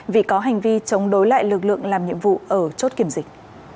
vì có hành vi chống đối lại lực lượng làm nhiệm vụ ở chốt kiểm dịch